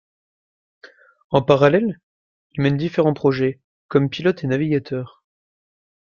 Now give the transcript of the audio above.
En parallèle, il mène différents projets comme pilote et navigateur.